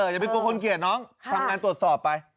อย่าไปกลัวคนเกลียดน้องทำงานตรวจสอบไป